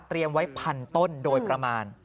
เตรียมไว้พันต้นโดยประมาณ